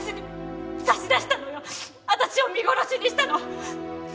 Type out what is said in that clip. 私を見殺しにしたの。